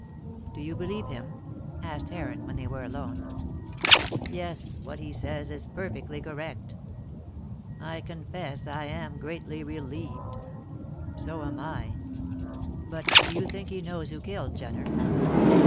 "Do you believe him?" asked Heron when they were alone. "Yes, what he says is perfectly correct. I confess I am greatly relieved." "So am I. But do you think he knows who killed Jenner?"